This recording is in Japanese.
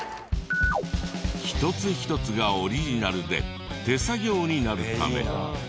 一つ一つがオリジナルで手作業になるため。